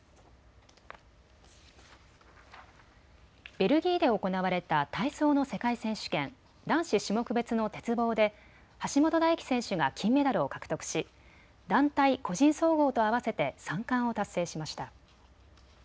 ベルギーで行われた体操の世界選手権、男子種目別の鉄棒で橋本大輝選手が金メダルを獲得し団体、個人総合と合わせて３冠を達成しました。